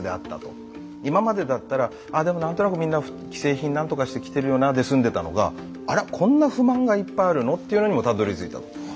今までだったらでも何となくみんな既製品何とかして着てるよなで済んでたのがあらこんな不満がいっぱいあるの？っていうのにもたどりついた。